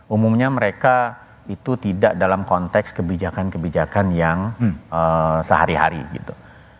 umumnya mereka itu tidak dalam konteks kebijakan kebijakan yang sehari hari gitu